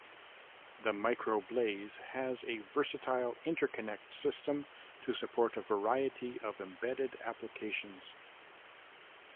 The MicroBlaze has a versatile interconnect system to support a variety of embedded applications.